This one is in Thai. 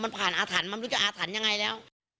มันผ่านอาฐานมันรู้จะอาฐานยังไงแล้ว